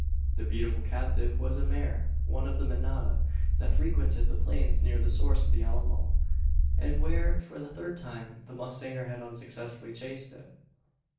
The beautiful captive was a mare one of a manada that frequented the plains near the source of the Alamo; and where, for the third time, the mustanger had unsuccessfully chased it.